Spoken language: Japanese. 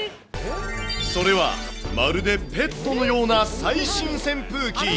それはまるでペットのような最新扇風機。